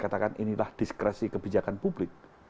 katakan inilah diskresi kebijakan publik